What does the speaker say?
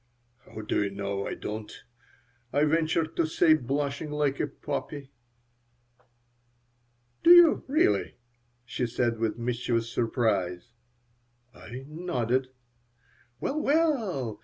"How do you know I don't?" I ventured to say, blushing like a poppy "Do you, really?" she said, with mischievous surprise I nodded "Well, well.